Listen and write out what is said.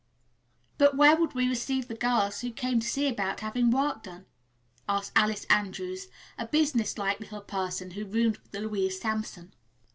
"But where would we receive the girls who came to see about having work done?" asked Alice Andrews, a business like little person who roomed with Louise Sampson.